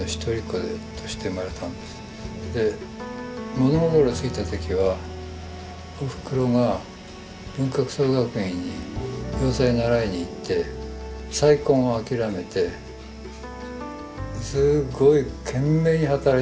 物心ついた時はおふくろが文化服装学院に洋裁習いに行って再婚を諦めてすごい懸命に働いて僕を育ててくれたんです。